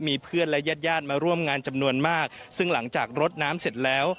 มีเพื่อนและญาติญาติมาร่วมงานจำนวนมากซึ่งหลังจากรดน้ำเสร็จแล้ว